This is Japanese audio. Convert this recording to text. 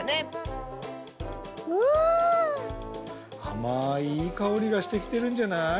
あまいいいかおりがしてきてるんじゃない？